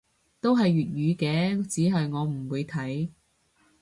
都係粵語嘅，只係我唔會睇